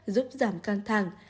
giúp giảm căng thẳng